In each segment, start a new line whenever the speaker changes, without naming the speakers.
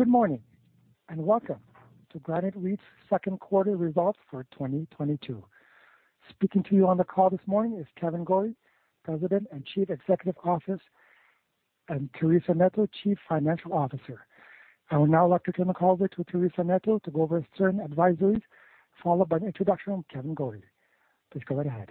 Good morning, and welcome to Granite REIT's second quarter results for 2022. Speaking to you on the call this morning is Kevan Gorrie, President and Chief Executive Officer, and Teresa Neto, Chief Financial Officer. I would now like to turn the call over to Teresa Neto to go over certain advisories, followed by an introduction from Kevan Gorrie. Please go right ahead.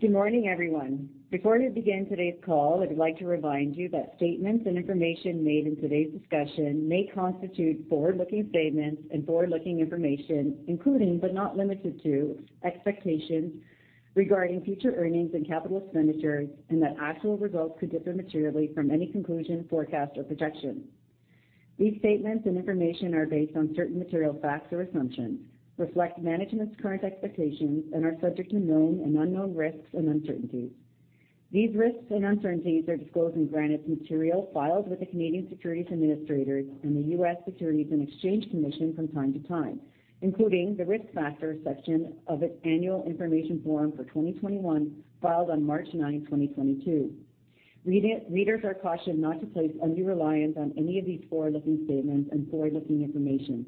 Good morning, everyone. Before we begin today's call, I'd like to remind you that statements and information made in today's discussion may constitute forward-looking statements and forward-looking information, including but not limited to expectations regarding future earnings and capital expenditures, and that actual results could differ materially from any conclusion, forecast, or projection. These statements and information are based on certain material facts or assumptions, reflect management's current expectations, and are subject to known and unknown risks and uncertainties. These risks and uncertainties are disclosed in Granite's material filed with the Canadian Securities Administrators and the U.S. Securities and Exchange Commission from time to time, including the Risk Factors section of its Annual Information Form for 2021, filed on March 9, 2022. Readers are cautioned not to place undue reliance on any of these forward-looking statements and forward-looking information.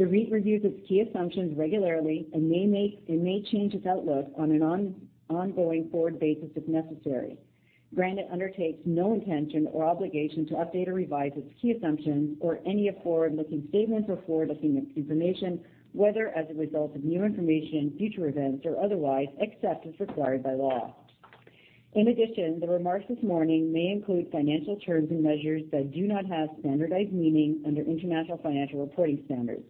The REIT reviews its key assumptions regularly and it may change its outlook on an ongoing forward basis if necessary. Granite undertakes no intention or obligation to update or revise its key assumptions or any of the forward-looking statements or forward-looking information, whether as a result of new information, future events, or otherwise, except as required by law. In addition, the remarks this morning may include financial terms and measures that do not have standardized meaning under International Financial Reporting Standards.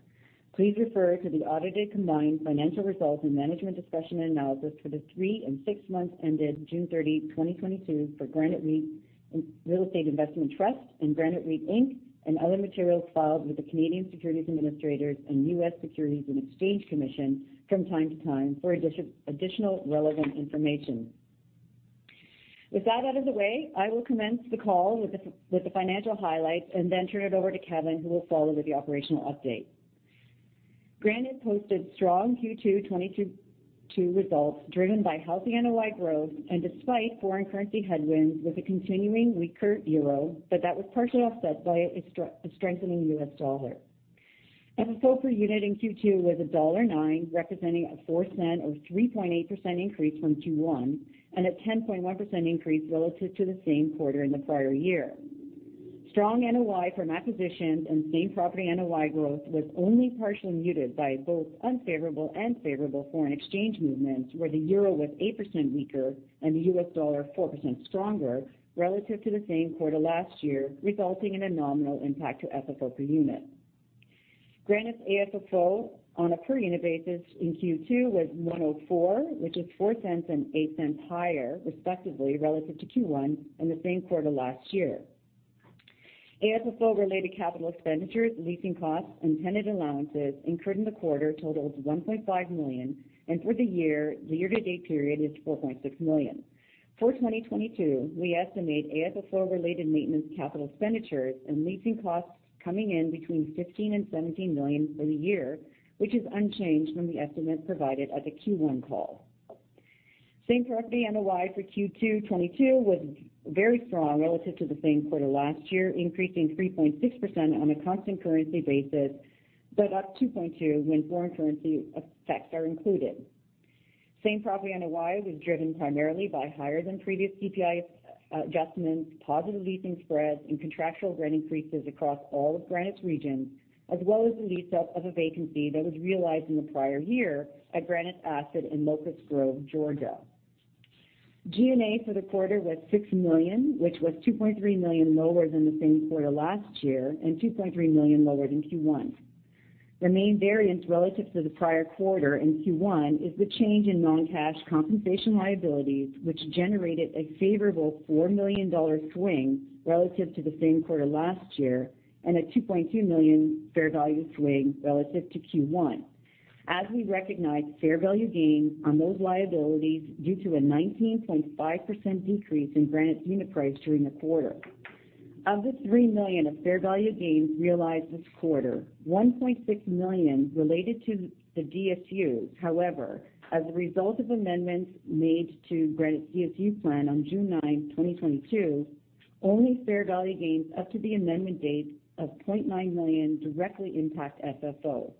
Please refer to the audited combined financial results and management's discussion and analysis for the three and six months ended June 30, 2022, for Granite REIT, Granite Real Estate Investment Trust and Granite REIT Inc, and other materials filed with the Canadian Securities Administrators and U.S. Securities and Exchange Commission from time to time for additional relevant information. With that out of the way, I will commence the call with the financial highlights and then turn it over to Kevan, who will follow with the operational update. Granite posted strong Q2 2022 results, driven by healthy NOI growth and despite foreign currency headwinds with a continuing weaker euro, but that was partially offset by a strengthening U.S. dollar. FFO per unit in Q2 was $1.09, representing a $0.04 or 3.8% increase from Q1, and a 10.1% increase relative to the same quarter in the prior year. Strong NOI from acquisitions and same property NOI growth was only partially muted by both unfavorable and favorable foreign exchange movements, where the euro was 8% weaker and the U.S. dollar 4% stronger relative to the same quarter last year, resulting in a nominal impact to FFO per unit. Granite's AFFO on a per unit basis in Q2 was 1.04, which is 0.04 and 0.08 higher, respectively, relative to Q1 and the same quarter last year. AFFO-related capital expenditures, leasing costs, and tenant allowances incurred in the quarter totaled 1.5 million, and for the year, the year-to-date period is 4.6 million. For 2022, we estimate AFFO-related maintenance capital expenditures and leasing costs coming in between 15 million and 17 million for the year, which is unchanged from the estimate provided at the Q1 call. Same-property NOI for Q2 2022 was very strong relative to the same quarter last year, increasing 3.6% on a constant currency basis, but up 2.2% when foreign currency effects are included. Same-property NOI was driven primarily by higher than previous CPI adjustments, positive leasing spreads, and contractual rent increases across all of Granite's regions, as well as the lease-up of a vacancy that was realized in the prior year at Granite Asset in Locust Grove, Georgia. G&A for the quarter was 6 million, which was 2.3 million lower than the same quarter last year and 2.3 million lower than Q1. The main variance relative to the prior quarter in Q1 is the change in non-cash compensation liabilities, which generated a favorable 4 million dollar swing relative to the same quarter last year and a 2.2 million fair value swing relative to Q1 as we recognized fair value gains on those liabilities due to a 19.5% decrease in Granite's unit price during the quarter. Of the 3 million of fair value gains realized this quarter, 1.6 million related to the DSU. However, as a result of amendments made to Granite's DSU plan on June 9, 2022, only fair value gains up to the amendment date of 0.9 million directly impact FFO.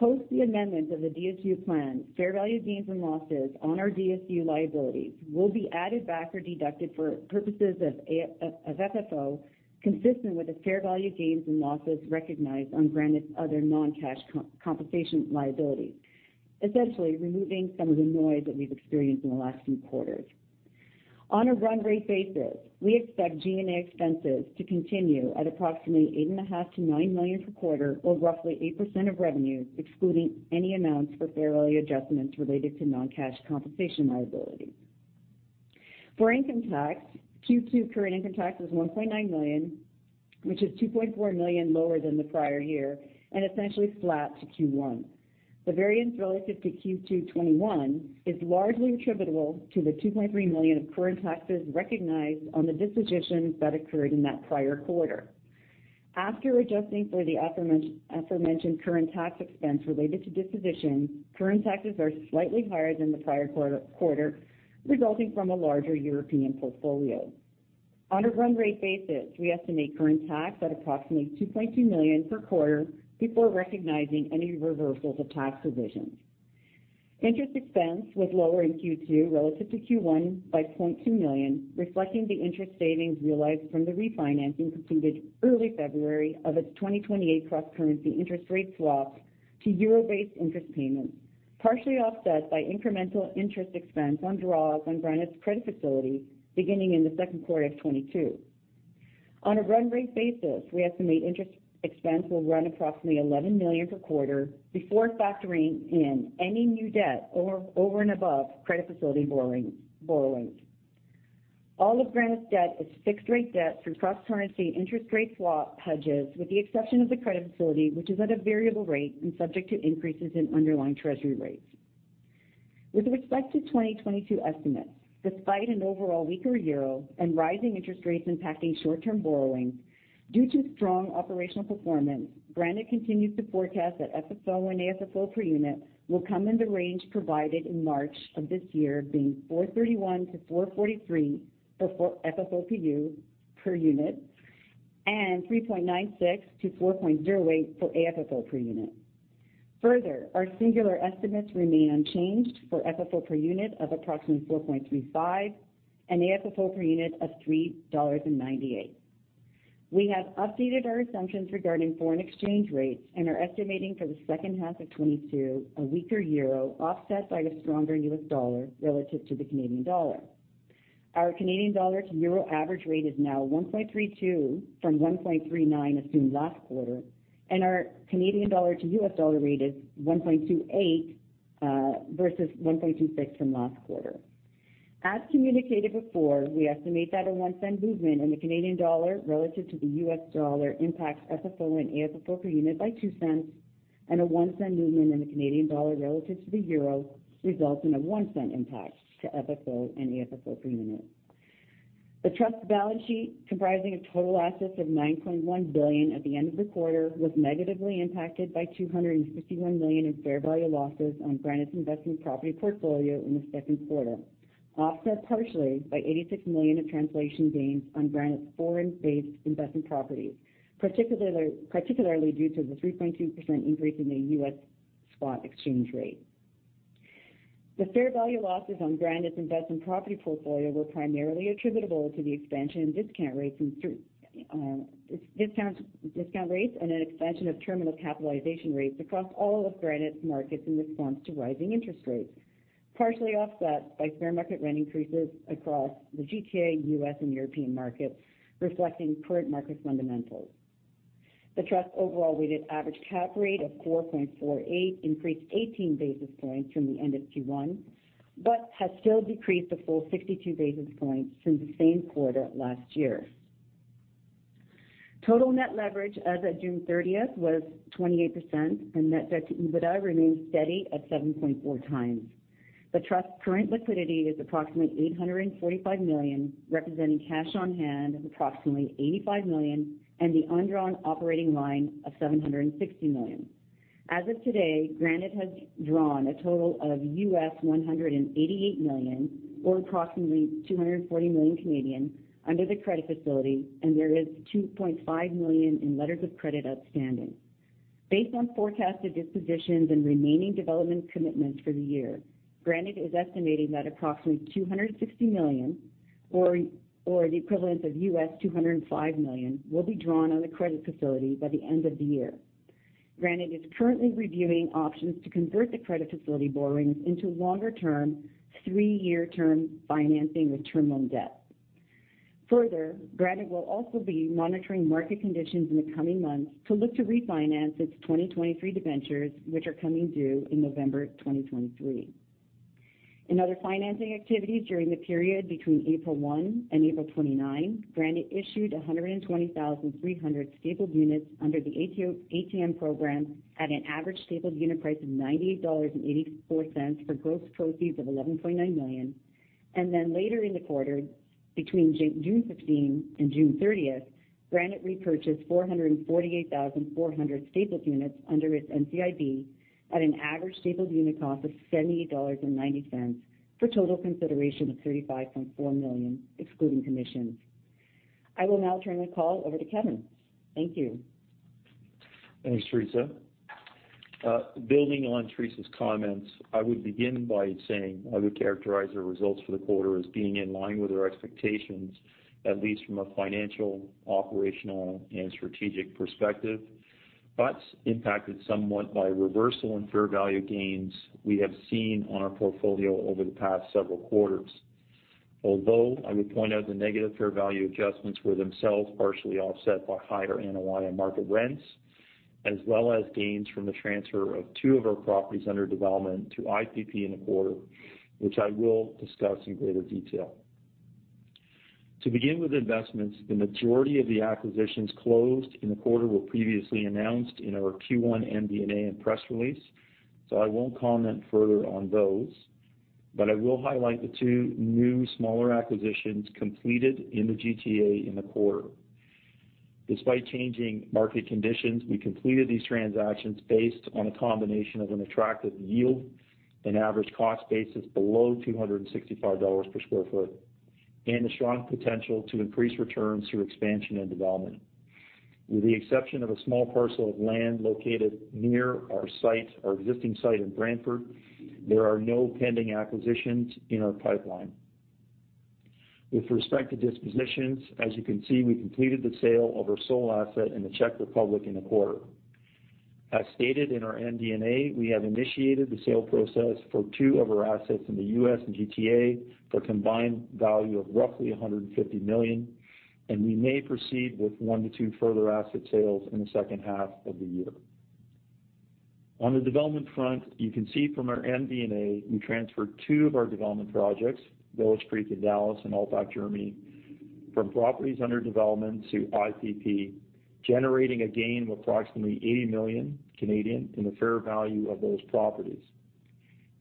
Post the amendment of the DSU plan, fair value gains and losses on our DSU liabilities will be added back or deducted for purposes of AFFO, consistent with the fair value gains and losses recognized on Granite's other non-cash compensation liabilities, essentially removing some of the noise that we've experienced in the last few quarters. On a run rate basis, we expect G&A expenses to continue at approximately 8.5 million-9 million per quarter, or roughly 8% of revenue, excluding any amounts for fair value adjustments related to non-cash compensation liability. For income tax, Q2 current income tax was 1.9 million, which is 2.4 million lower than the prior year and essentially flat to Q1. The variance relative to Q2 2021 is largely attributable to the 2.3 million of current taxes recognized on the dispositions that occurred in that prior quarter. After adjusting for the aforementioned current tax expense related to disposition, current taxes are slightly higher than the prior quarter, resulting from a larger European portfolio. On a run rate basis, we estimate current tax at approximately 2.2 million per quarter before recognizing any reversals of tax provisions. Interest expense was lower in Q2 relative to Q1 by 0.2 million, reflecting the interest savings realized from the refinancing completed early February of its 2028 cross-currency interest rate swaps to euro-based interest payments, partially offset by incremental interest expense on draws on Granite's credit facility beginning in the second quarter of 2022. On a run rate basis, we estimate interest expense will run approximately 11 million per quarter before factoring in any new debt over and above credit facility borrowings. All of Granite's debt is fixed-rate debt through cross-currency interest rate swap hedges, with the exception of the credit facility, which is at a variable rate and subject to increases in underlying Treasury rates. With respect to 2022 estimates, despite an overall weaker euro and rising interest rates impacting short-term borrowings, due to strong operational performance, Granite continues to forecast that FFO and AFFO per unit will come in the range provided in March of this year, being 4.31-4.43 for FFO per unit, and 3.96-4.08 for AFFO per unit. Further, our singular estimates remain unchanged for FFO per unit of approximately 4.35 and AFFO per unit of 3.98 dollars. We have updated our assumptions regarding foreign exchange rates and are estimating for the second half of 2022 a weaker euro offset by the stronger U.S. dollar relative to the Canadian dollar. Our Canadian dollar to euro average rate is now 1.32 from 1.39 assumed last quarter, and our Canadian dollar to U.S. dollar rate is 1.28 versus 1.26 from last quarter. As communicated before, we estimate that a 0.01 Movement in the Canadian dollar relative to the U.S. dollar impacts FFO and AFFO per unit by 0.02, and a 0.01 Movement in the Canadian dollar relative to the euro results in a 0.01 Impact to FFO and AFFO per unit. The Trust's balance sheet, comprising of total assets of 9.1 billion at the end of the quarter, was negatively impacted by 251 million in fair value losses on Granite's investment property portfolio in the second quarter, offset partially by 86 million of translation gains on Granite's foreign-based investment properties, particularly due to the 3.2% increase in the U.S. spot exchange rate. The fair value losses on Granite's investment property portfolio were primarily attributable to the expansion in discount rates and an expansion of terminal capitalization rates across all of Granite's markets in response to rising interest rates, partially offset by fair market rent increases across the GTA, U.S., and European markets, reflecting current market fundamentals. The Trust's overall weighted average cap rate of 4.48 increased 18 basis points from the end of Q1 but has still decreased a full 62 basis points since the same quarter last year. Total net leverage as of June 30th was 28%, and net debt to EBITDA remains steady at 7.4x. The Trust's current liquidity is approximately 845 million, representing cash on hand of approximately 85 million and the undrawn operating line of 760 million. As of today, Granite has drawn a total of $188 million, or approximately 240 million Canadian, under the credit facility, and there is 2.5 million in letters of credit outstanding. Based on forecasted dispositions and remaining development commitments for the year, Granite is estimating that approximately 260 million, or the equivalent of $205 million, will be drawn on the credit facility by the end of the year. Granite is currently reviewing options to convert the credit facility borrowings into longer-term, three-year term financing with term loan debt. Further, Granite will also be monitoring market conditions in the coming months to look to refinance its 2023 debentures, which are coming due in November 2023. In other financing activities, during the period between April 1 and April 29, Granite issued 123 stapled units under the ATM program at an average stapled unit price of 98.84 dollars for gross proceeds of 11.9 million. Later in the quarter, between June 15 and June 30th, Granite repurchased 448,400 stapled units under its NCIB at an average stapled unit cost of 78.90 dollars for total consideration of 35.4 million, excluding commissions. I will now turn the call over to Kevan. Thank you.
Thanks, Teresa. Building on Teresa's comments, I would begin by saying I would characterize the results for the quarter as being in line with our expectations, at least from a financial, operational, and strategic perspective, but impacted somewhat by reversal in fair value gains we have seen on our portfolio over the past several quarters. Although I would point out the negative fair value adjustments were themselves partially offset by higher NOI and market rents, as well as gains from the transfer of two of our properties under development to IPP in the quarter, which I will discuss in greater detail. To begin with investments, the majority of the acquisitions closed in the quarter were previously announced in our Q1 MD&A and press release, so I won't comment further on those. I will highlight the two new smaller acquisitions completed in the GTA in the quarter. Despite changing market conditions, we completed these transactions based on a combination of an attractive yield, an average cost basis below 265 dollars per sq ft, and the strong potential to increase returns through expansion and development. With the exception of a small parcel of land located near our site, our existing site in Brantford, there are no pending acquisitions in our pipeline. With respect to dispositions, as you can see, we completed the sale of our sole asset in the Czech Republic in the quarter. As stated in our MD&A, we have initiated the sale process for two of our assets in the U.S. and GTA for a combined value of roughly 150 million, and we may proceed with one to two further asset sales in the second half of the year. On the development front, you can see from our MD&A, we transferred two of our development projects, Village Creek in Dallas and Altbach, Germany, from properties under development to IPP, generating a gain of approximately 80 million in the fair value of those properties.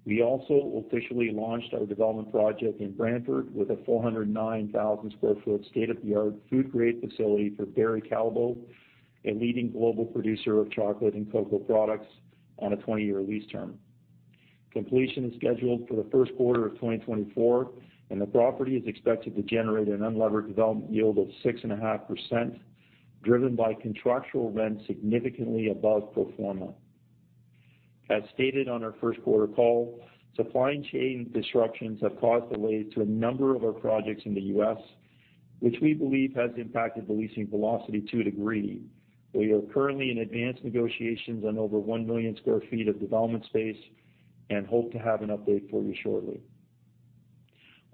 We also officially launched our development project in Brantford with a 409,000 sq ft state-of-the-art food-grade facility for Barry Callebaut, a leading global producer of chocolate and cocoa products on a 20-year lease term. Completion is scheduled for the first quarter of 2024, and the property is expected to generate an unlevered development yield of 6.5%, driven by contractual rent significantly above pro forma. As stated on our first quarter call, supply chain disruptions have caused delays to a number of our projects in the U.S., which we believe has impacted the leasing velocity to a degree. We are currently in advanced negotiations on over 1 million sq ft of development space and hope to have an update for you shortly.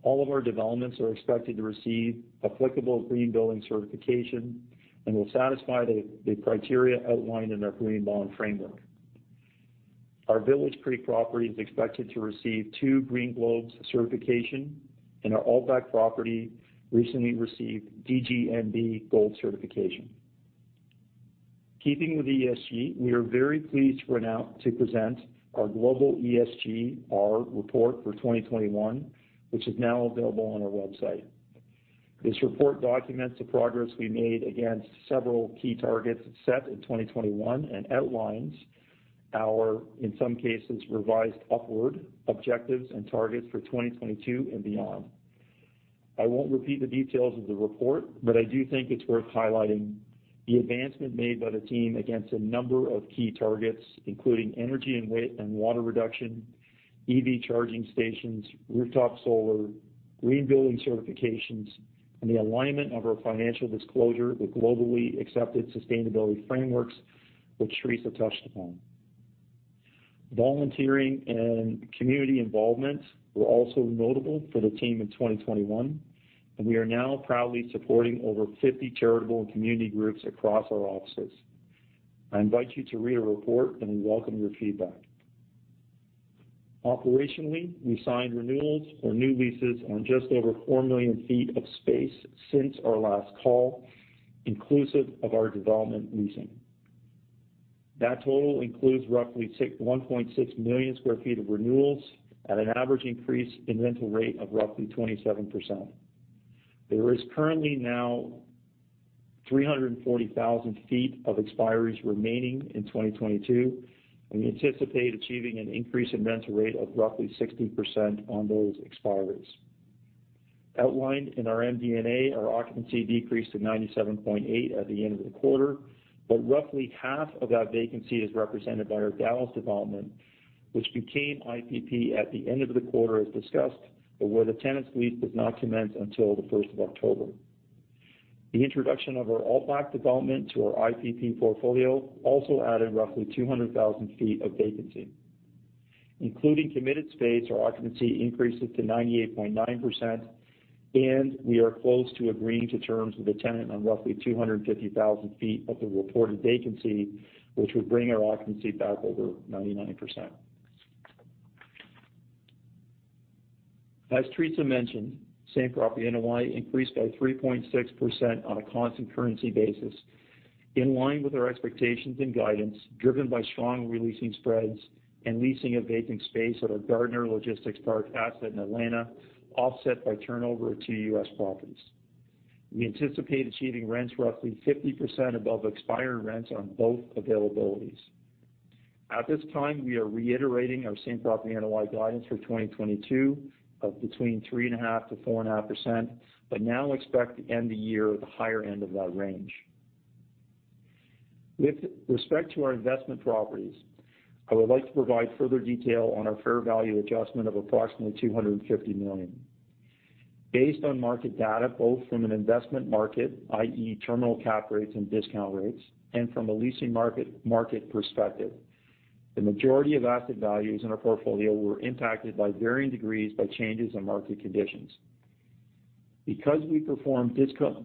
All of our developments are expected to receive applicable green building certification and will satisfy the criteria outlined in our green bond framework. Our Village Creek property is expected to receive two Green Globes certification, and our Altbach property recently received DGNB Gold certification. Keeping with ESG, we are very pleased right now to present our global ESG, our report for 2021, which is now available on our website. This report documents the progress we made against several key targets set in 2021 and outlines our, in some cases, revised upward objectives and targets for 2022 and beyond. I won't repeat the details of the report, but I do think it's worth highlighting the advancement made by the team against a number of key targets, including energy and waste and water reduction, EV charging stations, rooftop solar, green building certifications, and the alignment of our financial disclosure with globally accepted sustainability frameworks, which Teresa touched upon. Volunteering and community involvement were also notable for the team in 2021, and we are now proudly supporting over 50 charitable and community groups across our offices. I invite you to read our report, and we welcome your feedback. Operationally, we signed renewals or new leases on just over 4 million ft of space since our last call, inclusive of our development leasing. That total includes roughly 1.6 million sq ft of renewals at an average increase in rental rate of roughly 27%. There is currently now 340,000 ft of expiries remaining in 2022, and we anticipate achieving an increase in rental rate of roughly 60% on those expiries. Outlined in our MD&A, our occupancy decreased to 97.8% at the end of the quarter, but roughly half of that vacancy is represented by our Dallas development, which became IPP at the end of the quarter as discussed, but where the tenant's lease does not commence until the first of October. The introduction of our Altbach development to our IPP portfolio also added roughly 200,000 ft of vacancy. Including committed space, our occupancy increases to 98.9%, and we are close to agreeing to terms with a tenant on roughly 250,000 ft of the reported vacancy, which would bring our occupancy back over 99%. As Teresa mentioned, same property NOI increased by 3.6% on a constant currency basis, in line with our expectations and guidance, driven by strong re-leasing spreads and leasing of vacant space at our Gardner Logistics Park asset in Atlanta, offset by turnover at two U.S. properties. We anticipate achieving rents roughly 50% above expired rents on both availabilities. At this time, we are reiterating our same property NOI guidance for 2022 of between 3.5%-4.5%, but now expect to end the year at the higher end of that range. With respect to our investment properties, I would like to provide further detail on our fair value adjustment of approximately 250 million. Based on market data, both from an investment market, i.e., terminal cap rates and discount rates, and from a leasing market perspective, the majority of asset values in our portfolio were impacted by varying degrees by changes in market conditions. Because we perform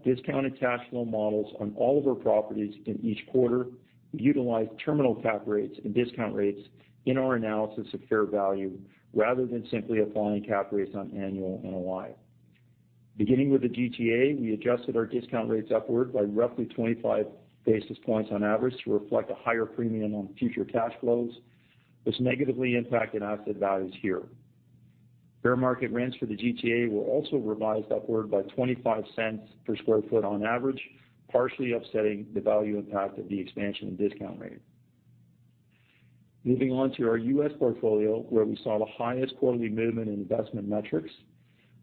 discounted cash flow models on all of our properties in each quarter, we utilize terminal cap rates and discount rates in our analysis of fair value rather than simply applying cap rates on annual NOI. Beginning with the GTA, we adjusted our discount rates upward by roughly 25 basis points on average to reflect a higher premium on future cash flows. This negatively impacted asset values here. Fair market rents for the GTA were also revised upward by 0.25 per sq ft on average, partially offsetting the value impact of the expansion and discount rate. Moving on to our U.S. portfolio, where we saw the highest quarterly movement in investment metrics,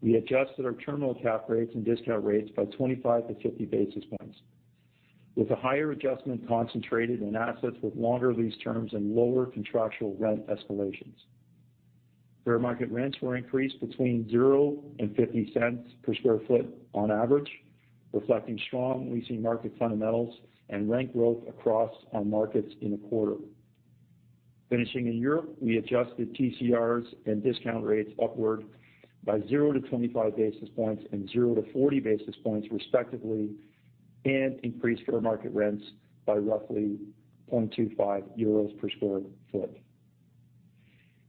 we adjusted our terminal cap rates and discount rates by 25-50 basis points, with a higher adjustment concentrated in assets with longer lease terms and lower contractual rent escalations. Fair market rents were increased between 0 and 0.50 per sq ft on average, reflecting strong leasing market fundamentals and rent growth across our markets in a quarter. Finishing in Europe, we adjusted cap rates and discount rates upward by 0-25 basis points and 0-40 basis points, respectively, and increased fair market rents by roughly 0.25 euros per sq ft.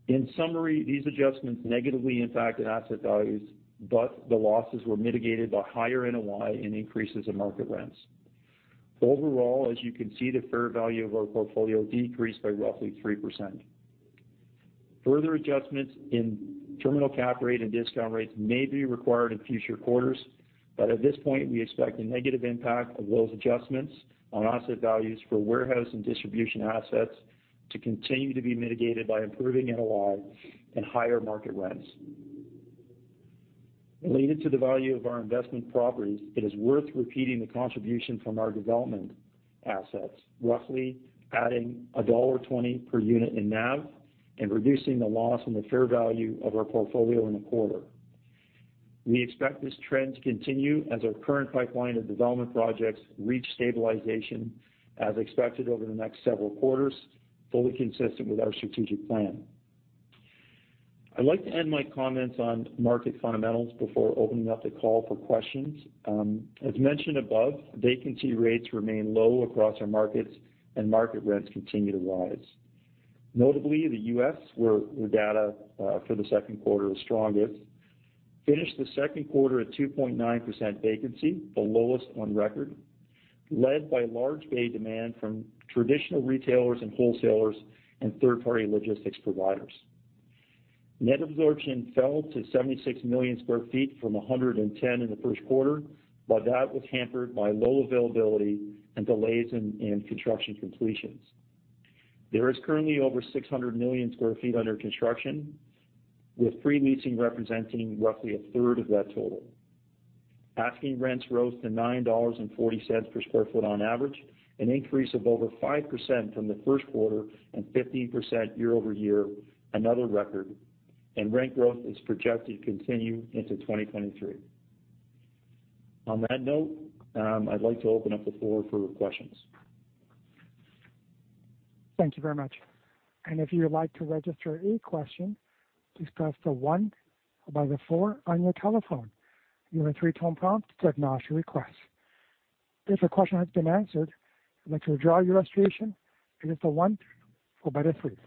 In summary, these adjustments negatively impacted asset values, but the losses were mitigated by higher NOI and increases in market rents. Overall, as you can see, the fair value of our portfolio decreased by roughly 3%. Further adjustments in terminal cap rate and discount rates may be required in future quarters, but at this point, we expect the negative impact of those adjustments on asset values for warehouse and distribution assets to continue to be mitigated by improving NOI and higher market rents. Related to the value of our investment properties, it is worth repeating the contribution from our development assets, roughly adding dollar 1.20 per unit in NAV and reducing the loss in the fair value of our portfolio in a quarter. We expect this trend to continue as our current pipeline of development projects reach stabilization as expected over the next several quarters, fully consistent with our strategic plan. I'd like to end my comments on market fundamentals before opening up the call for questions. As mentioned above, vacancy rates remain low across our markets, and market rents continue to rise. Notably, the U.S., where the data for the second quarter was strongest, finished the second quarter at 2.9% vacancy, the lowest on record, led by large bay demand from traditional retailers and wholesalers and third-party logistics providers. Net absorption fell to 76 million sq ft from 110 sq ft in the first quarter, but that was hampered by low availability and delays in construction completions. There is currently over 600 million sq ft under construction, with pre-leasing representing roughly 1/3 of that total. Asking rents rose to $9.40 per sq ft on average, an increase of over 5% from the first quarter and 15% year-over-year, another record. Rent growth is projected to continue into 202`3. On that note, I'd like to open up the floor for questions.
Thank you very much. If you would like to register a question, please press one followed by four on your telephone. You will hear a three-tone prompt to acknowledge your request. If your question has been answered and you'd like to withdraw your registration, please press one followed by three.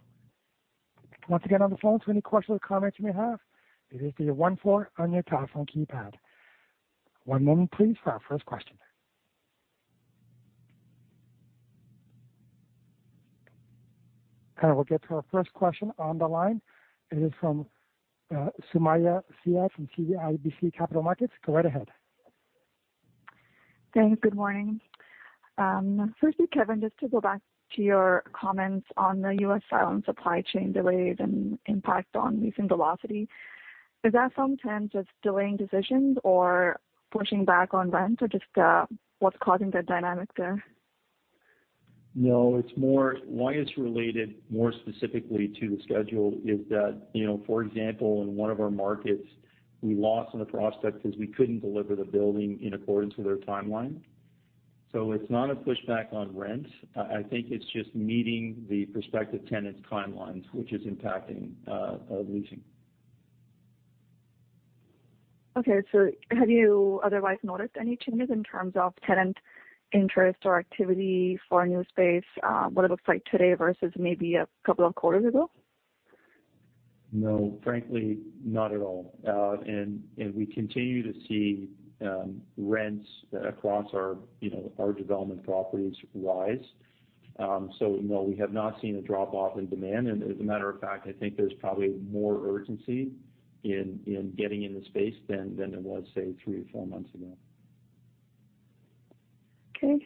Once again, on the phone, for any questions or comments you may have, it is one, four on your telephone keypad. One moment please for our first question. We'll get to our first question on the line. It is from Sumayya Syed from CIBC Capital Markets. Go right ahead.
Thanks. Good morning. Firstly, Kevan, just to go back to your comments on the U.S. client supply chain delays and impact on leasing velocity, is that sometimes just delaying decisions or pushing back on rent or just, what's causing the dynamic there?
No, it's more why it's related more specifically to the schedule is that, you know, for example, in one of our markets, we lost a prospect because we couldn't deliver the building in accordance with their timeline. It's not a pushback on rent. I think it's just meeting the prospective tenants' timelines which is impacting leasing.
Okay. Have you otherwise noticed any changes in terms of tenant interest or activity for a new space, what it looks like today versus maybe a couple of quarters ago?
No, frankly, not at all. We continue to see rents across our, you know, our development properties rise. No, we have not seen a drop off in demand. As a matter of fact, I think there's probably more urgency in getting into space than there was, say, three or four months ago.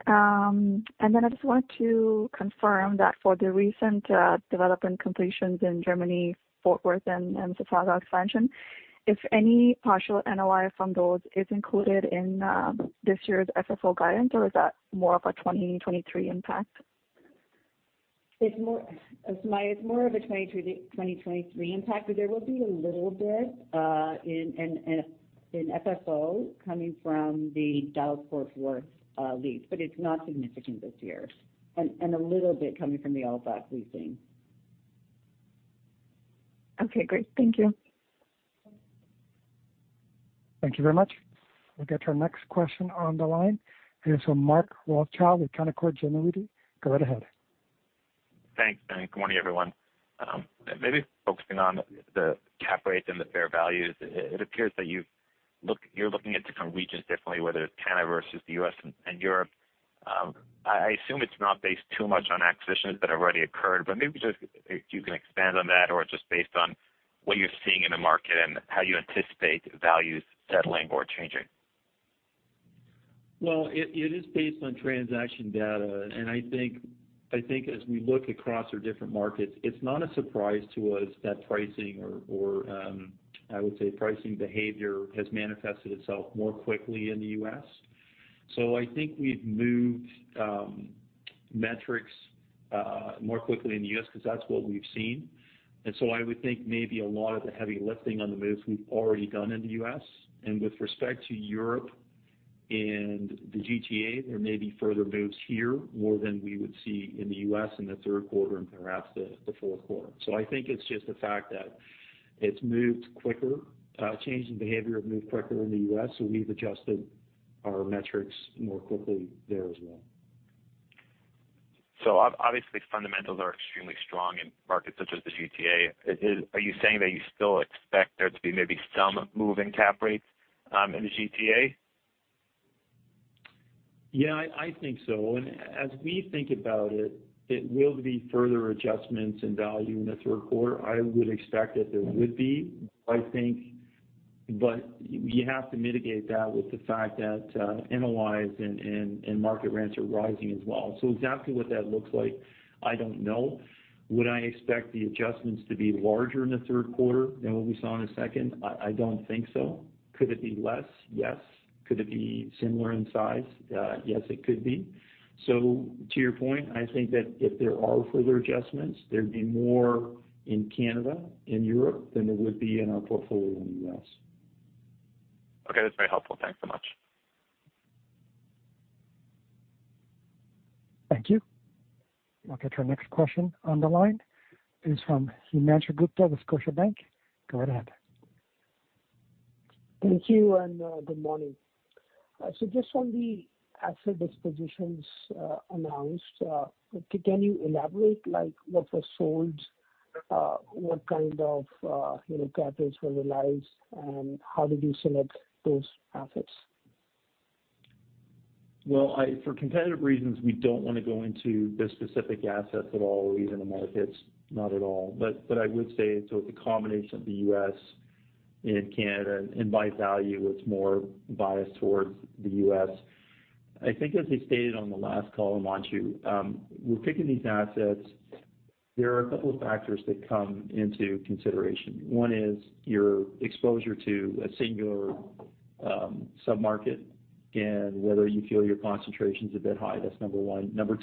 I just want to confirm that for the recent development completions in Germany, Fort Worth and the Chicago expansion, if any partial NOI from those is included in this year's FFO guidance, or is that more of a 2023 impact?
It's more, Sumayya, it's more of a 2023 impact, but there will be a little bit in FFO coming from the Dallas Fort Worth lease, but it's not significant this year, and a little bit coming from the Altbach leasing.
Okay, great. Thank you.
Thank you very much. We'll get to our next question on the line. It is from Mark Rothschild with Canaccord Genuity. Go right ahead.
Thanks, and good morning, everyone. Maybe focusing on the cap rates and the fair values. It appears that you're looking at different regions differently, whether it's Canada versus the U.S. and Europe. I assume it's not based too much on acquisitions that have already occurred, but maybe just if you can expand on that or just based on what you're seeing in the market and how you anticipate values settling or changing.
Well, it is based on transaction data. I think as we look across our different markets, it's not a surprise to us that pricing behavior has manifested itself more quickly in the U.S. I think we've moved metrics more quickly in the U.S. because that's what we've seen. I would think maybe a lot of the heavy lifting on the moves we've already done in the U.S. With respect to Europe and the GTA, there may be further moves here more than we would see in the U.S. in the third quarter and perhaps the fourth quarter. I think it's just the fact that it's moved quicker. Changing behavior has moved quicker in the U.S., so we've adjusted our metrics more quickly there as well.
Obviously, fundamentals are extremely strong in markets such as the GTA. Are you saying that you still expect there to be maybe some move in cap rates in the GTA?
Yeah, I think so. As we think about it will be further adjustments in value in the third quarter. I would expect that there would be, I think. You have to mitigate tha`t with the fact that MLS and market rents are rising as well. Exactly what that looks like, I don't know. Would I expect the adjustments to be larger in the third quarter than what we saw in the second? I don't think so. Could it be less? Yes. Could it be similar in size? Yes, it could be. To your point, I think that if there are further adjustments, there'd be more in Canada and Europe than there would be in our portfolio in the U.S.
Okay, that's very helpful. Thanks so much.
Thank you. I'll get your next question on the line. It is from Himanshu Gupta with Scotiabank. Go right ahead.
Thank you and good morning. Just on the asset dispositions announced, can you elaborate like what was sold, what kind of, you know, cap rates were realized, and how did you select those assets?
For competitive reasons, we don't wanna go into the specific assets at all or even the markets, not at all. I would say, so it's a combination of the U.S. and Canada, and by value, it's more biased towards the U.S. I think as I stated on the last call in Montreal, we're picking these assets. There are a couple of factors that come into consideration. One is your exposure to a singular, sub-market and whether you feel your concentration's a bit high. That's number one. Number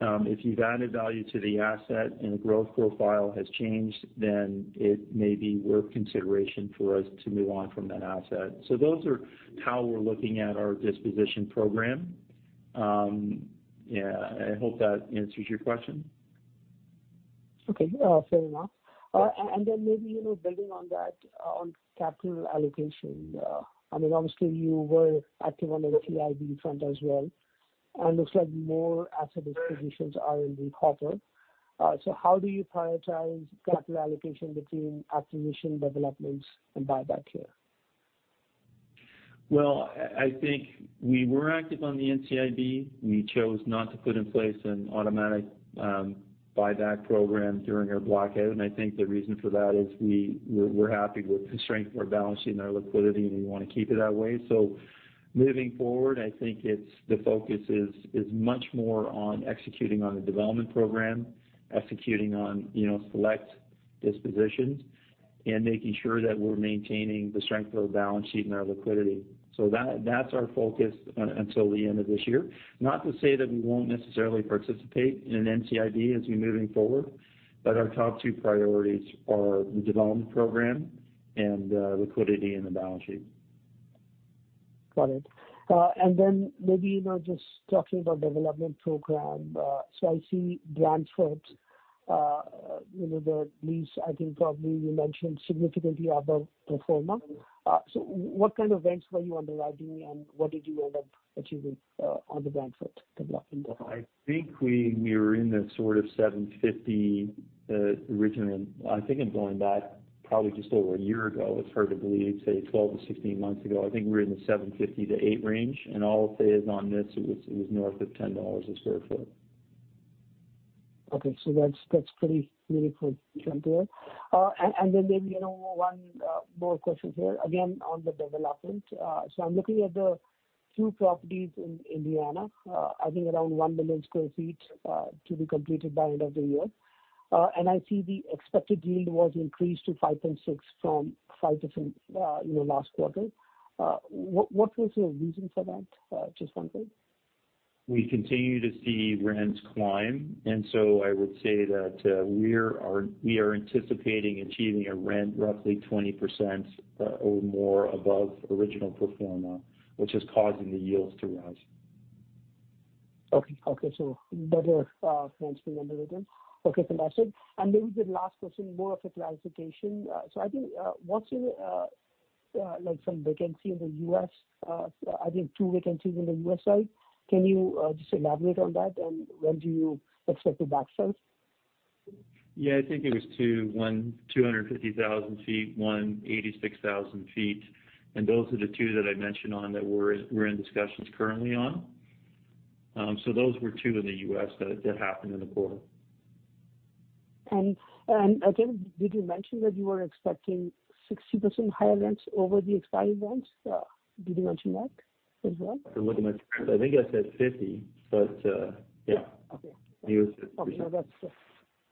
two, if you've added value to the asset and the growth profile has changed, then it may be worth consideration for us to move on from that asset. Those are how we're looking at our disposition program. Yeah, I hope that answers your question.
Okay. Yeah, fair enough. Maybe, you know, building on that, on capital allocation, I mean, obviously you were active on NCIB front as well, and looks like more asset dispositions are in the quarter. How do you prioritize capital allocation between acquisition developments and buyback here?
I think we were active on the NCIB. We chose not to put in place an automatic buyback program during our blackout. I think the reason for that is we're happy with the strength of our balance sheet and our liquidity, and we wanna keep it that way. Moving forward, I think the focus is much more on executing on the development program, executing on, you know, select dispositions, and making sure that we're maintaining the strength of our balance sheet and our liquidity. That, that's our focus until the end of this year. Not to say that we won't necessarily participate in an NCIB as we're moving forward, but our top two priorities are the development program and liquidity and the balance sheet.
Got it. Maybe, you know, just talking about development program, so I see Brantford, you know, the lease, I think probably you mentioned significantly above pro forma. So what kind of rents were you underwriting and what did you end up achieving on the Brantford development?
I think we were in the sort of $7.50 originally. I think in going back probably just over a year ago, it's hard to believe, say 12-16 months ago, I think we were in the $7.50-$8 range. All I'll say is on this, it was north of $10 per sq ft.
Okay. That's a pretty meaningful jump there. Then maybe, you know, one more question here, again, on the development. I'm looking at a few properties in Indiana, I think around 1 million sq ft to be completed by end of the year. I see the expected yield was increased to 5.6% from 5%, you know, last quarter. What was your reason for that? Just one thing.
We continue to see rents climb, and so I would say that we are anticipating achieving a rent roughly 20% or more above original pro forma, which is causing the yields to rise.
Okay. Better rents being underwritten. Okay, fantastic. Maybe the last question, more of a clarification. I think, what's your, like some vacancy in the U.S., I think two vacancies in the U.S. side. Can you just elaborate on that, and when do you expect to backfill?
Yeah, I think it was two. One, 250,000 ft, one, 86,000 ft. Those are the two that I mentioned on that we're in discussions currently on. So those were two in the U.S. that happened in the quarter.
again, did you mention that you were expecting 60% higher rents over the expired rents? Did you mention that as well?
If I look at my notes, I think I said 50%, but, yeah.
Okay.
You were.
Okay, no, that's.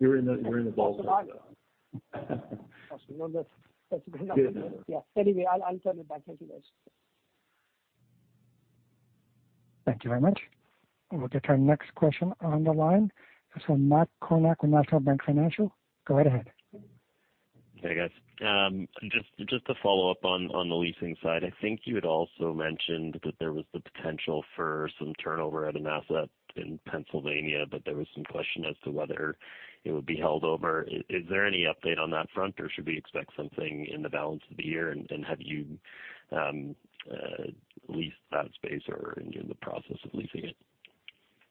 You were in the ballpark though.
No, that's good enough. Yeah. Anyway, I'll turn it back. Thank you guys.
Thank you very much. We'll get our next question on the line. It's from Matt Kornack with National Bank Financial. Go right ahead.
Hey, guys. Just to follow up on the leasing side. I think you had also mentioned that there was the potential for some turnover at an asset in Pennsylvania, but there was some question as to whether it would be held over. Is there any update on that front, or should we expect something in the balance of the year? Have you leased that space or are in the process of leasing it?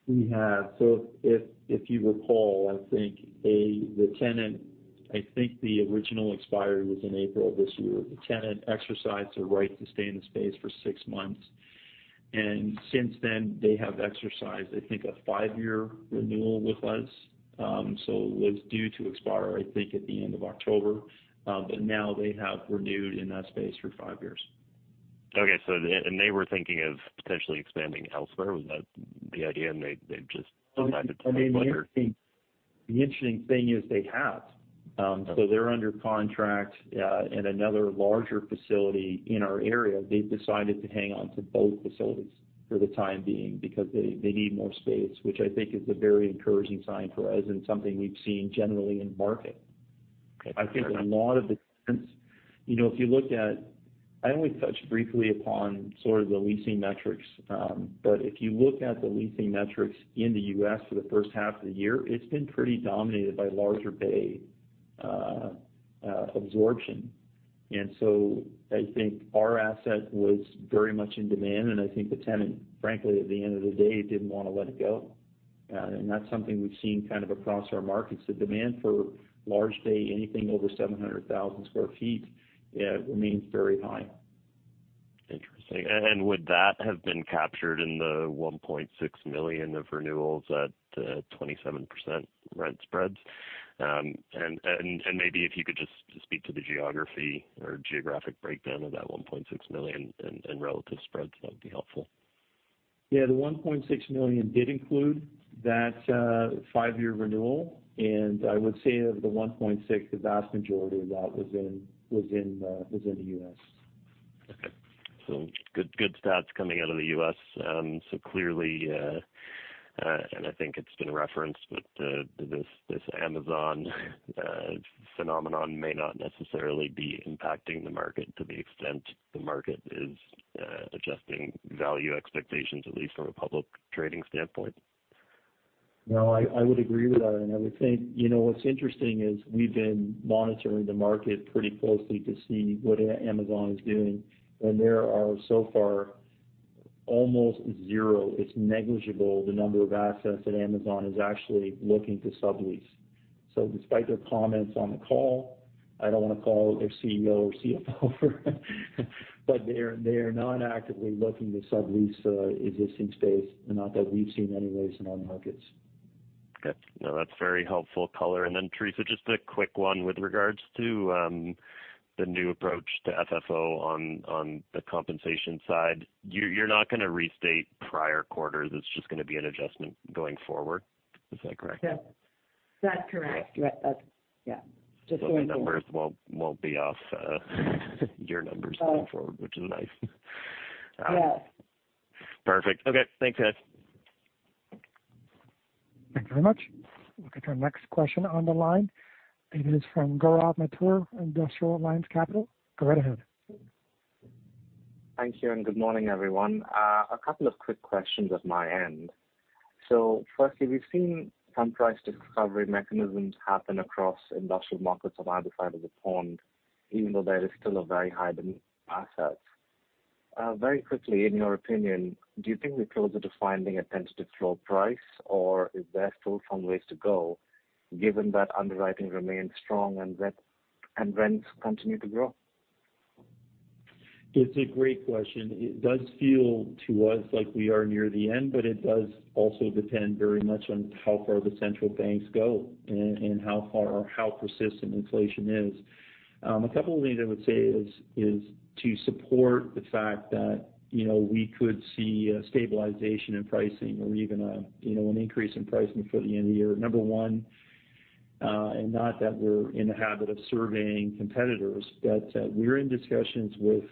We have. If you recall, I think the tenant, I think the original expiry was in April of this year. The tenant exercised their right to stay in the space for six months. Since then, they have exercised, I think, a five-year renewal with us, so it was due to expire, I think, at the end of October. Now they have renewed in that space for five years.
Okay. They were thinking of potentially expanding elsewhere. Was that the idea? They've just decided to stay put or?
The interesting thing is they have. They're under contract in another larger facility in our area. They've decided to hang on to both facilities for the time being because they need more space, which I think is a very encouraging sign for us and something we've seen generally in the market.
Okay.
I think a lot of the tenants. You know, I only touched briefly upon sort of the leasing metrics, but if you look at the leasing metrics in the U.S. for the first half of the year, it's been pretty dominated by larger bay absorption. I think our asset was very much in demand, and I think the tenant, frankly, at the end of the day, didn't wanna let it go. That's something we've seen kind of across our markets. The demand for large bay, anything over 700,000 sq ft, remains very high.
Interesting. Would that have been captured in the 1.6 million of renewals at 27% rent spreads? Maybe if you could just speak to the geography or geographic breakdown of that 1.6 million and relative spreads, that would be helpful.
Yeah, the 1.6 million did include that, five-year renewal. I would say of the 1.6 million, the vast majority of that was in the U.S.
Okay. Good stats coming out of the U.S. Clearly, I think it's been referenced, but this Amazon phenomenon may not necessarily be impacting the market to the extent the market is adjusting value expectations, at least from a public trading standpoint.
No, I would agree with that. I would say, you know, what's interesting is we've been monitoring the market pretty closely to see what Amazon is doing. There are so far almost zero. It's negligible the number of assets that Amazon is actually looking to sublease. Despite their comments on the call, I don't wanna call their CEO or CFO. They are not actively looking to sublease existing space, not that we've seen anyways in our markets.
Okay. No, that's very helpful color. Theresa, just a quick one with regards to the new approach to FFO on the compensation side. You're not gonna restate prior quarters, it's just gonna be an adjustment going forward. Is that correct?
Yeah. That's correct. Just going forward.
The numbers won't be off, your numbers going forward, which is nice.
Yes.
Perfect. Okay. Thanks, guys.
Thank you very much. We'll get to our next question on the line. It is from Gaurav Mathur, iA Capital Markets. Go right ahead.
Thank you, and good morning, everyone. A couple of quick questions at my end. Firstly, we've seen some price discovery mechanisms happen across industrial markets on either side of the pond, even though there is still a very high demand for assets. Very quickly, in your opinion, do you think we're closer to finding a tentative floor price, or is there still some ways to go given that underwriting remains strong and rent, and rents continue to grow?
It's a great question. It does feel to us like we are near the end, but it does also depend very much on how far the central banks go and how far or how persistent inflation is. A couple of things I would say is to support the fact that, you know, we could see a stabilization in pricing or even a, you know, an increase in pricing for the end of the year. Number one, and not that we're in the habit of surveying competitors, but, we're in discussions with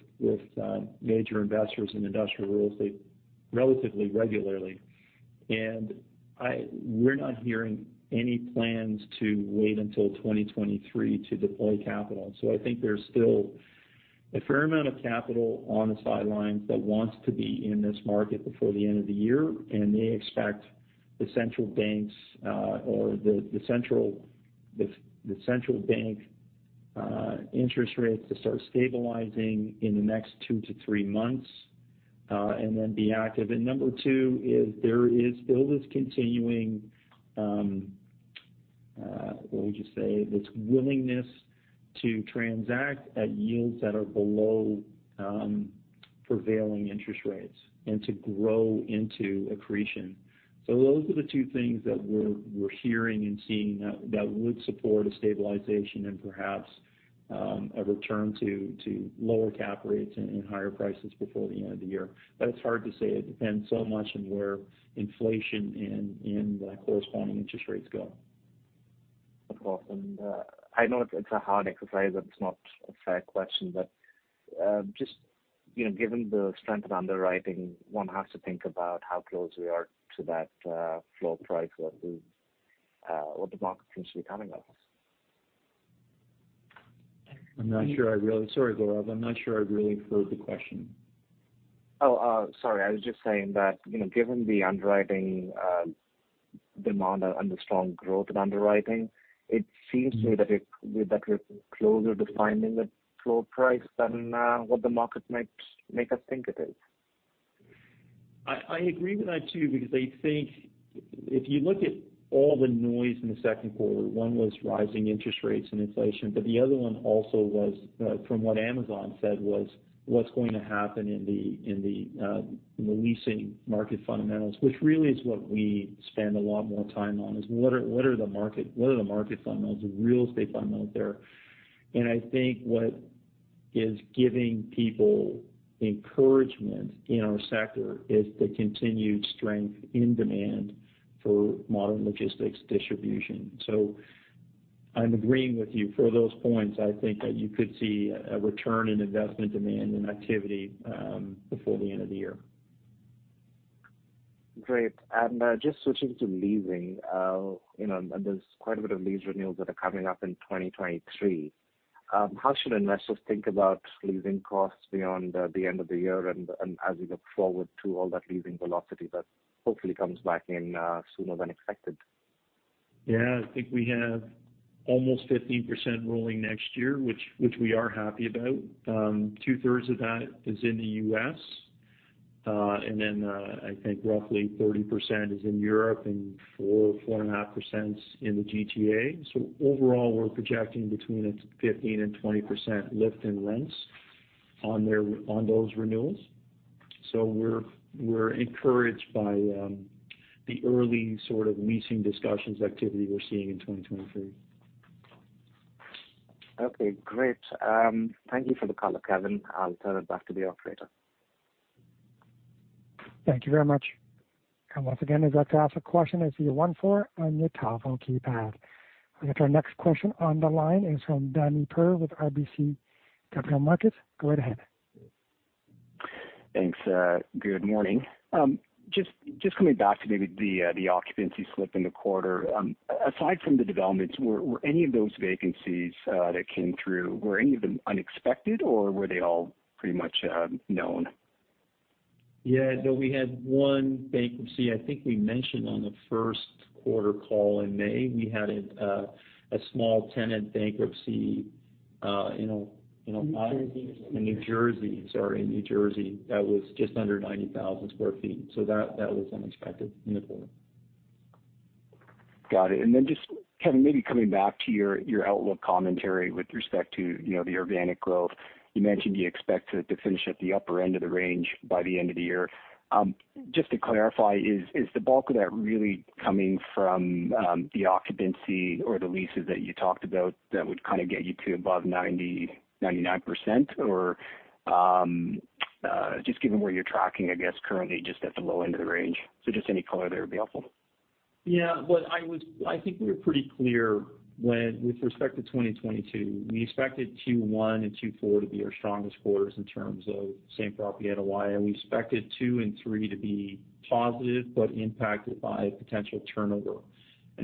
major investors in industrial real estate relatively regularly. We're not hearing any plans to wait until 2023 to deploy capital. I think there's still a fair amount of capital on the sidelines that wants to be in this market before the end of the year, and they expect the central bank interest rates to start stabilizing in the next two to three months, and then be active. Number two is there is still this continuing willingness to transact at yields that are below prevailing interest rates and to grow into accretion. Those are the two things that we're hearing and seeing that would support a stabilization and perhaps a return to lower cap rates and higher prices before the end of the year. But it's hard to say. It depends so much on where inflation and the corresponding interest rates go.
Of course. I know it's a hard exercise, but it's not a fair question, but just, you know, given the strength of underwriting, one has to think about how close we are to that floor price, what the market seems to be telling us.
Sorry, Gaurav, I'm not sure I really heard the question.
Oh, sorry. I was just saying that, you know, given the underwriting, demand and the strong growth in underwriting, it seems to me that it
Mm-hmm.
That we're closer to finding the floor price than what the market might make us think it is.
I agree with that too, because I think if you look at all the noise in the second quarter, one was rising interest rates and inflation, but the other one also was from what Amazon said was what's going to happen in the leasing market fundamentals, which really is what we spend a lot more time on, is what are the market fundamentals, the real estate fundamentals there? I think what is giving people encouragement in our sector is the continued strength in demand for modern logistics distribution. I'm agreeing with you. For those points, I think that you could see a return in investment demand and activity before the end of the year.
Great. Just switching to leasing, you know, and there's quite a bit of lease renewals that are coming up in 2023. How should investors think about leasing costs beyond the end of the year and as we look forward to all that leasing velocity that hopefully comes back in sooner than expected?
Yeah. I think we have almost 15% rolling next year, which we are happy about. 2/3 of that is in the U.S., and then I think roughly 30% is in Europe and 4.5% in the GTA. Overall, we're projecting between a 15%-20% lift in rents on those renewals. We're encouraged by the early sort of leasing discussions activity we're seeing in 2023.
Okay, great. Thank you for the color, Kevan. I'll turn it back to the operator.
Thank you very much. Once again, if you'd like to ask a question, it's zero one four on your telephone keypad. I'll get to our next question. On the line is from Pammi Bir with RBC Capital Markets. Go right ahead.
Thanks. Good morning. Just coming back to maybe the occupancy slip in the quarter. Aside from the developments, were any of those vacancies that came through unexpected, or were they all pretty much known?
Yeah. No, we had one vacancy. I think we mentioned on the first quarter call in May, we had it, a small tenant bankruptcy in. New Jersey. In New Jersey. That was just under 90,000 sq ft. That was unexpected in the quarter.
Got it. Just, Kevin, maybe coming back to your outlook commentary with respect to, you know, the organic growth. You mentioned you expect it to finish at the upper end of the range by the end of the year. Just to clarify, is the bulk of that really coming from the occupancy or the leases that you talked about that would kind of get you to above 99%? Or just given where you're tracking, I guess, currently just at the low end of the range. Just any color there would be helpful.
Yeah. I think we were pretty clear when with respect to 2022, we expected Q1 and Q4 to be our strongest quarters in terms of same property NOI. We expected two and three to be positive, but impacted by potential turnover.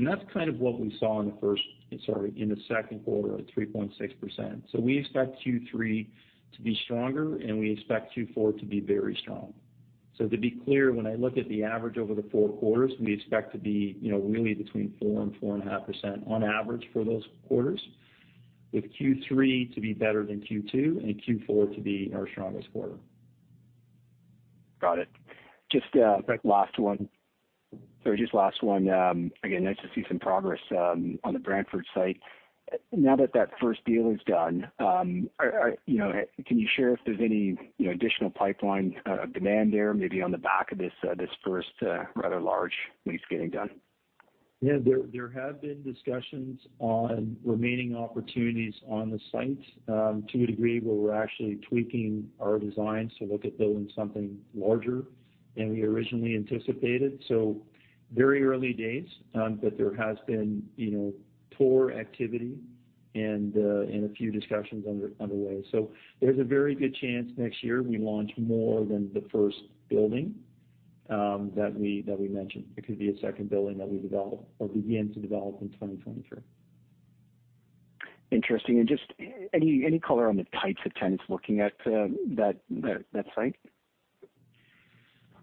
That's kind of what we saw in the first, sorry, in the second quarter at 3.6%. We expect Q3 to be stronger, and we expect Q4 to be very strong. To be clear, when I look at the average over the four quarters, we expect to be, you know, really between 4% and 4.5% on average for those quarters, with Q3 to be better than Q2 and Q4 to be our strongest quarter.
Got it. Just quick last one. Again, nice to see some progress on the Brantford site. Now that that first deal is done, are you know can you share if there's any you know additional pipeline demand there maybe on the back of this this first rather large lease getting done?
Yeah. There have been discussions on remaining opportunities on the site, to a degree where we're actually tweaking our design to look at building something larger than we originally anticipated. Very early days, but there has been, you know, tour activity and a few discussions underway. There's a very good chance next year we launch more than the first building that we mentioned. It could be a second building that we develop or we begin to develop in 2023.
Interesting. Just any color on the types of tenants looking at that site?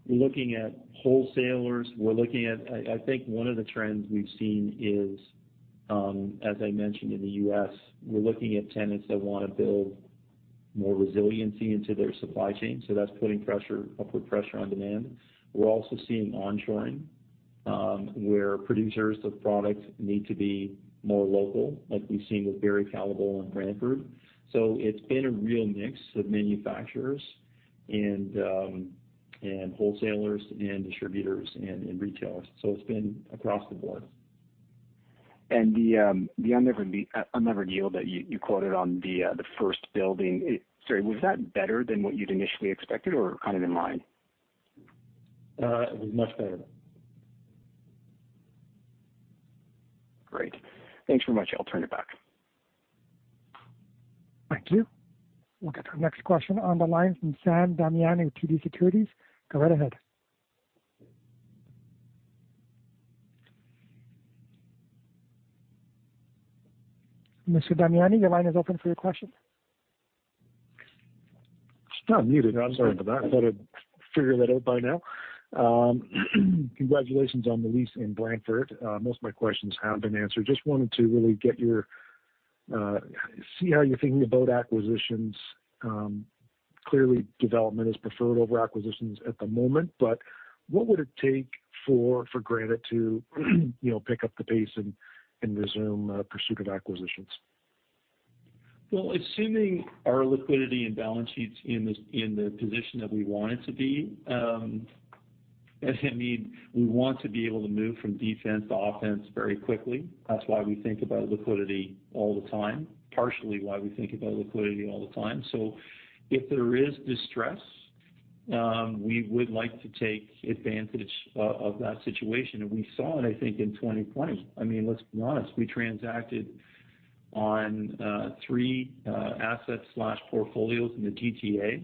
We're looking at wholesalers. I think one of the trends we've seen is, as I mentioned in the U.S., we're looking at tenants that wanna build more resiliency into their supply chain, so that's putting pressure, upward pressure on demand. We're also seeing onshoring, where producers of product need to be more local, like we've seen with Barry Callebaut in Brantford. It's been a real mix of manufacturers and wholesalers and distributors and retailers. It's been across the board.
The unlevered yield that you quoted on the first building, was that better than what you'd initially expected or kind of in line?
It was much better.
Great. Thanks very much. I'll turn it back.
Thank you. We'll get to our next question on the line from Sam Damiani with TD Securities. Go right ahead. Mr. Damiani, your line is open for your question.
Still muted. I'm sorry for that. I thought I'd figure that out by now. Congratulations on the lease in Brantford. Most of my questions have been answered. Just wanted to really see how you're thinking about acquisitions. Clearly development is preferred over acquisitions at the moment, but what would it take for Granite to, you know, pick up the pace and resume pursuit of acquisitions?
Well, assuming our liquidity and balance sheet's in this, in the position that we want it to be, I mean, we want to be able to move from defense to offense very quickly. That's why we think about liquidity all the time. Partially why we think about liquidity all the time. If there is distress, we would like to take advantage of that situation. We saw it, I think, in 2020. I mean, let's be honest, we transacted on three asset portfolios in the GTA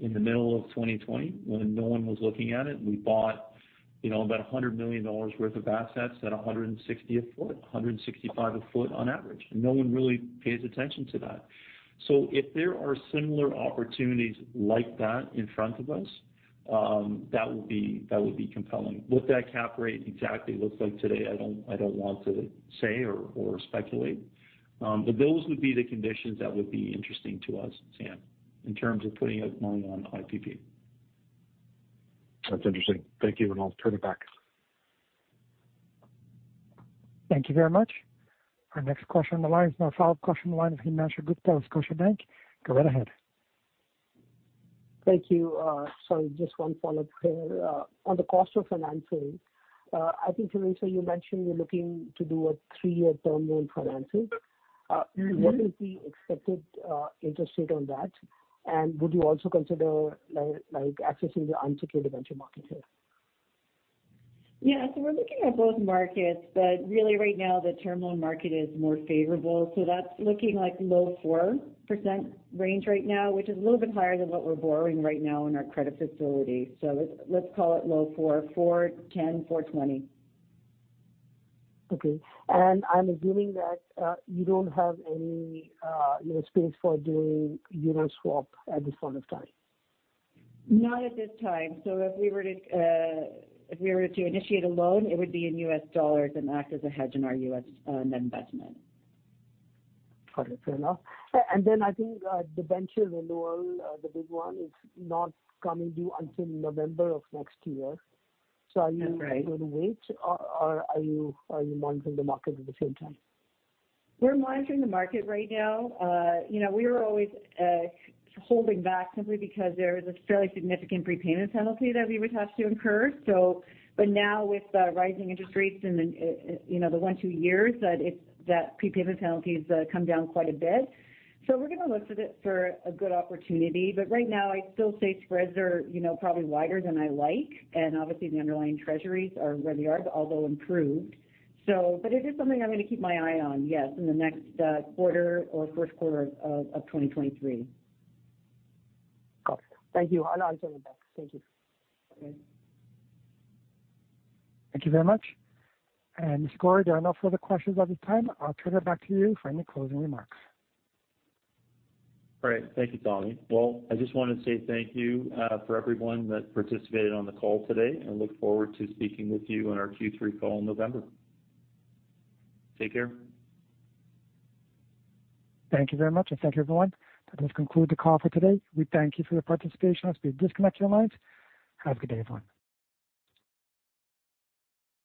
in the middle of 2020 when no one was looking at it, and we bought, you know, about 100 million dollars worth of assets at 160 a foot, 165 a foot on average. No one really pays attention to that. If there are similar opportunities like that in front of us, that would be compelling. What that cap rate exactly looks like today, I don't want to say or speculate. Those would be the conditions that would be interesting to us, Sam, in terms of putting out money on IPP.
That's interesting. Thank you, and I'll turn it back.
Thank you very much. Our next question on the line is. question on the line is Himanshu Gupta with Scotiabank. Go right ahead.
Thank you. Sorry, just one follow-up here. On the cost of financing, I think, Theresa, you mentioned you're looking to do a three-year term loan financing.
Mm-hmm.
What is the expected interest rate on that? Would you also consider, like, accessing the unsecured debt market here?
Yeah. We're looking at both markets, but really right now the term loan market is more favorable, so that's looking like low 4% range right now, which is a little bit higher than what we're borrowing right now in our credit facility. Let's call it low 4.10%, 4.20%.
Okay. I'm assuming that, you don't have any, you know, space for doing euro swap at this point of time.
Not at this time. If we were to initiate a loan, it would be in U.S. dollars and act as a hedge in our U.S. investment.
Got it. Fair enough. I think the tenant renewal, the big one is not coming due until November of next year. Are you.
That's right.
Gonna wait or are you monitoring the market at the same time?
We're monitoring the market right now. You know, we were always holding back simply because there is a fairly significant prepayment penalty that we would have to incur. Now with the rising interest rates in the, you know, the one to two years, that prepayment penalty has come down quite a bit. We're gonna look for a good opportunity. Right now, I'd still say spreads are, you know, probably wider than I like. Obviously, the underlying treasuries are where they are, but although improved. It is something I'm gonna keep my eye on, yes, in the next quarter or first quarter of 2023.
Got it. Thank you. I'll turn it back. Thank you.
Okay.
Thank you very much. Mr. Gorrie, there are no further questions at this time. I'll turn it back to you for any closing remarks.
Great. Thank you, Tommy. Well, I just wanna say thank you for everyone that participated on the call today and look forward to speaking with you on our Q3 call in November. Take care.
Thank you very much, and thank you, everyone. That does conclude the call for today. We thank you for your participation. As we disconnect your lines, have a good day, everyone.